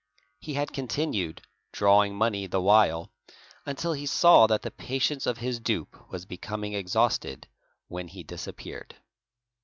He had continued, drawing: money the while, until he saw that the patience of his dupe was becoming exhausted, when he disappeared.